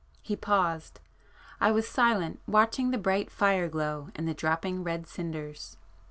He paused,—I was silent, watching the bright fire glow and the dropping red cinders.